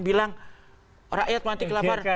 bilang rakyat mati kelapar